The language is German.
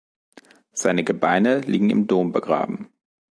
Seine Gebeine liegen im Dom begraben.